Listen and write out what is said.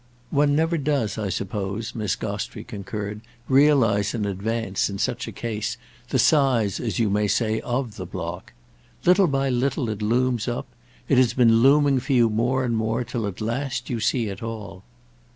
"One never does, I suppose," Miss Gostrey concurred, "realise in advance, in such a case, the size, as you may say, of the block. Little by little it looms up. It has been looming for you more and more till at last you see it all."